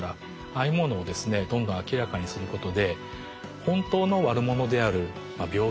ああいうものをですねどんどん明らかにすることで本当の悪者である病原体。